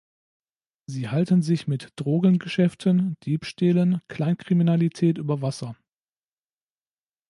Sie halten sich mit Drogengeschäften, Diebstählen, Kleinkriminalität über Wasser.